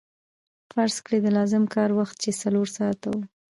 فرض کړئ د لازم کار وخت چې څلور ساعته وو